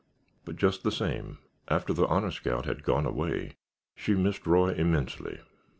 But just the same, after the Honor Scout had gone away, she missed Roy immensely.